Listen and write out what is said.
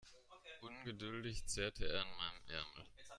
Ungeduldig zerrte er an meinem Ärmel.